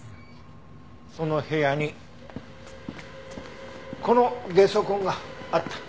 その部屋にこのゲソ痕があった。